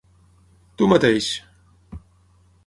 Tu mateix!